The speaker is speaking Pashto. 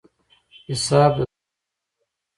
حساب د دواړو برابر.